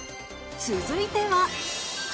続いては。